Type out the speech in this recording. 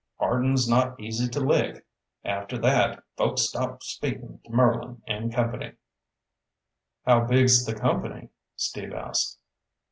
Hardin's not easy to lick. After that, folks stopped speakin' to Merlin and company." "How big's the company?" Steve asked.